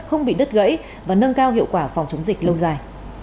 không bị đứt gãy và nâng cao hiệu quả phòng chống dịch lâu dài